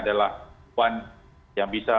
adalah pembun yang bisa